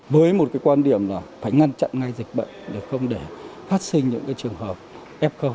với một quan điểm là phải ngăn chặn ngay dịch bệnh để không để phát sinh những trường hợp f